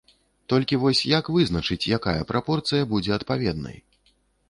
Толькі вось як вызначыць, якая прапорцыя будзе адпаведнай?